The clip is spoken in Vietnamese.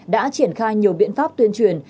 đã triển khai nhiều biện pháp tuyên truyền